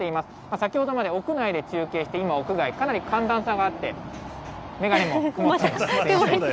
先ほどまで屋内で中継して、今、屋外、かなり寒暖差があって、眼鏡も曇っちゃいました。